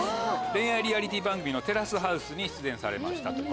恋愛リアリティー番組の『テラスハウス』に出演されました。